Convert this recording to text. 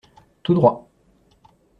Tout droit